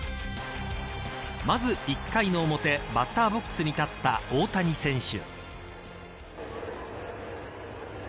まず１回の表バッターボックスに立った大谷選手。